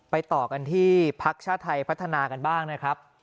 ต่อกันที่พักชาติไทยพัฒนากันบ้างนะครับ